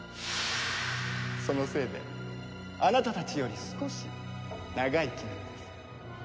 そのせいであなたたちより少し長生きなのです。